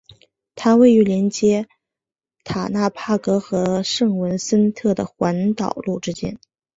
它位于连接塔纳帕格和圣文森特的环岛路之间。